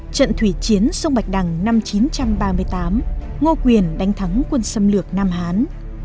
trận thủy chiến sông bạch đằng năm một nghìn chín trăm ba mươi tám ngô quyền đánh thắng quân xâm lược nam hán